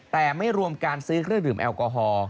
แต่ไม่รวมการซื้อเครื่องดื่มแอลกอฮอล์